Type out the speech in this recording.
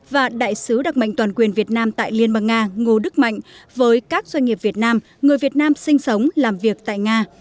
và đại sứ đặc mệnh toàn quyền việt nam tại liên bang nga ngô đức mạnh với các doanh nghiệp việt nam người việt nam sinh sống làm việc tại nga